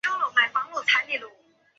毕业于浙江大学电气自动化专业。